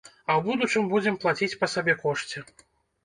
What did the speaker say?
А ў будучым будзем плаціць па сабекошце.